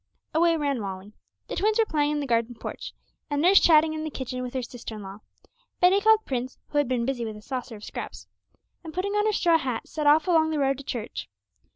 Away ran Molly. The twins were playing in the garden porch, and nurse chatting in the kitchen with her sister in law. Betty called Prince, who had been busy with a saucer of scraps, and putting on her straw hat set off along the road to church.